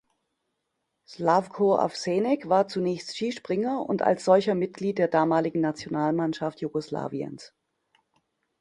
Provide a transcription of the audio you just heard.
Slavko Avsenik war zunächst Skispringer und als solcher Mitglied der damaligen Nationalmannschaft Jugoslawiens.